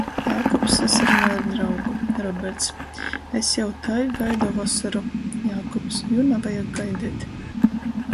Jākubs sasarunoj ar draugu. Roberts: "Es jau tai gaidu vosoru!" Jākubs: Jū navajag gaideit.